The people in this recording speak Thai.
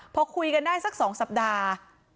พอคุยกันได้สัก๒สัปดาห์